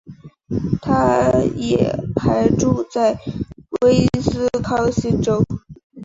她也还住在威斯康星州。